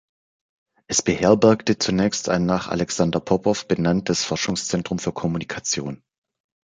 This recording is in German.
Es beherbergte zunächst ein nach Alexander Popow benanntes Forschungszentrum für Kommunikation.